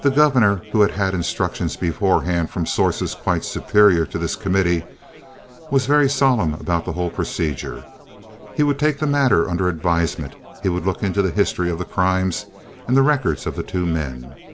The Governor, who had had instructions beforehand from sources quite superior to this committee, was very solemn about the whole procedure. He would take the matter under advisement. He would look into the history of the crimes and the records of the two men.